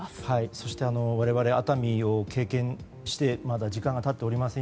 そして、熱海を経験してまだ時間が経っておりません。